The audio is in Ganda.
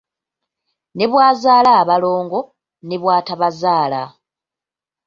Ne bw'azaala abalongo ne bw'atabazaala.